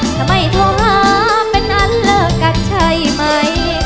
ถ้าไม่ท้องหาเป็นนั้นแล้วกันใช่ไหม